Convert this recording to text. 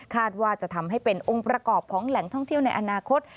ว่าจะทำให้เป็นองค์ประกอบของแหล่งท่องเที่ยวในอนาคต